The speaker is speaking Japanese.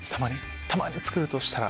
たまに作るとしたら？